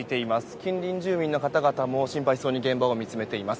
近隣住民の方々も心配そうに現場を見つめています。